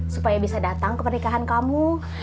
supaya bisa datang ke pernikahan kamu